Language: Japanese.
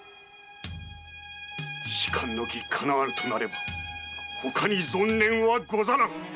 仕官の儀叶わぬとなれば他に存念はござらん！